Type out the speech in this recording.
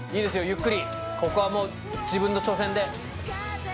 ゆっくりここはもう自分の挑戦で。